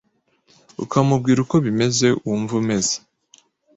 ukamubwira uko bimeze wumva umeze.